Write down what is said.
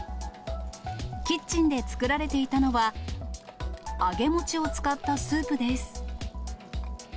キッチンで作られていたのは、揚げ餅を使ったスープです。